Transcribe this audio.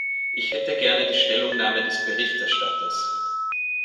Ich hätte gerne die Stellungnahme des Berichterstatters.